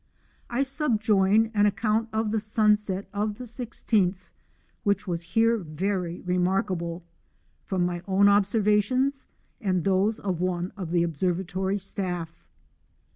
1 subjoin an account of the sunset of the i6th, which was here ver\' remarkable, from my own obsen ations and those of one of the observatorj staff.